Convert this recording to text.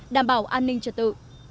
đảm bảo an ninh trật tự